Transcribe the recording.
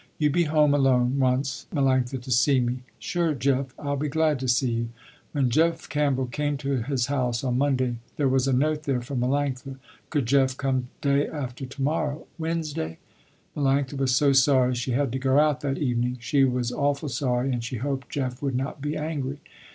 You be home alone once Melanctha to see me." "Sure Jeff, I be glad to see you!" When Jeff Campbell came to his house on Monday there was a note there from Melanctha. Could Jeff come day after to morrow, Wednesday? Melanctha was so sorry she had to go out that evening. She was awful sorry and she hoped Jeff would not be angry.